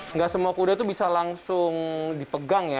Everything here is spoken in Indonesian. nggak semua kuda itu bisa langsung dipegang ya